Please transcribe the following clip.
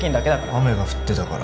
雨が降ってたから